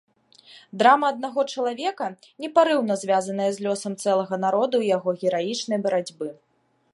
Драма аднаго чалавека, непарыўна звязаная з лёсам цэлага народу і яго гераічнай барацьбы.